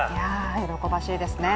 喜ばしいですね。